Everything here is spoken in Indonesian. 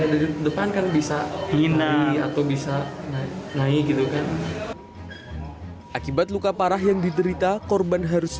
dari depan kan bisa nyina atau bisa naik naik gitu kan akibat luka parah yang diderita korban harus